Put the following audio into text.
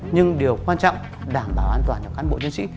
nhưng điều quan trọng là đảm bảo an toàn cho cán bộ nhân sĩ